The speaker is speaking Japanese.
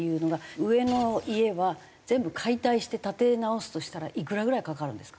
上の家は全部解体して建て直すとしたらいくらぐらいかかるんですか？